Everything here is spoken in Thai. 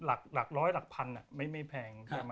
ลากร้อยลากพันธุ์อ่ะไม่แพง